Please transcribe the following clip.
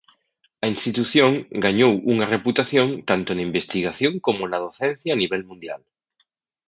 A institución gañou unha reputación tanto na investigación como na docencia a nivel mundial.